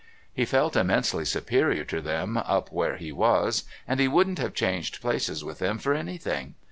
He felt immensely superior to them up where he was, and he wouldn't have changed places with them for anything.